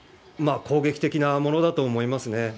まあ、攻撃的なものだと思いますね。